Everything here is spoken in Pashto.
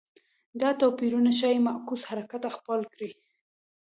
دا توپیرونه ښايي معکوس حرکت خپل کړي